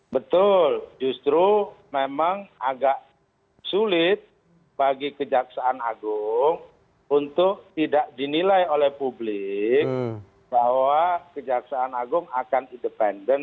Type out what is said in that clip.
betul justru memang agak sulit bagi kejaksaan agung untuk tidak dinilai oleh publik bahwa kejaksaan agung akan independen